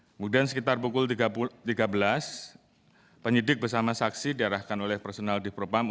kemudian sekitar pukul tiga belas penyidik bersama saksi diarahkan oleh personal di propam